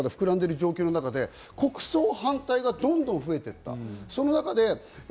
国会議員の中で膨らんでいる状態で国葬反対がどんどん増えていった。